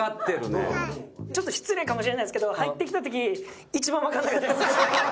ちょっと失礼かもしれないんですけど入ってきた時一番わかんなかったです。